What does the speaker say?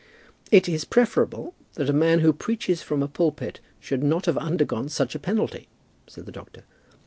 "It is preferable that a man who preaches from a pulpit should not have undergone such a penalty," said the doctor.